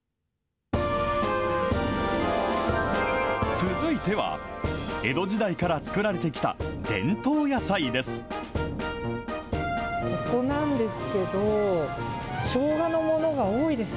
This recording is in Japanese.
続いては、江戸時代から作られてきた伝統野菜です。